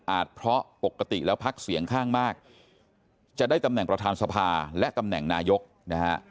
เพราะปกติแล้วพักเสียงข้างมากจะได้ตำแหน่งประธานสภาและตำแหน่งนายกนะฮะ